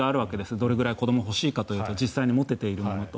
どれぐらい子どもを欲しいかというのと実際に持てているのと。